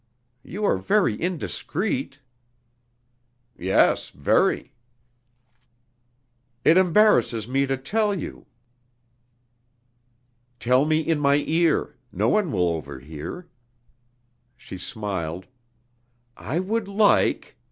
"You are very indiscreet." "Yes, very." "It embarrasses me to tell you...." "Tell me in my ear. No one will overhear." She smiled: "I would like